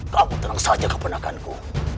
kamu tenang saja kebenarkanku